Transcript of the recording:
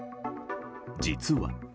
実は。